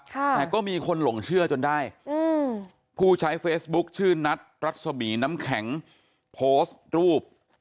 แต่ก็มีคนหลงเชื่อจนได้อืมผู้ใช้เฟซบุ๊คชื่อนัทรัศมีน้ำแข็งโพสต์รูป